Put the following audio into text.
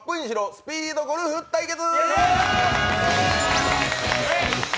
スピードゴルフ対決！！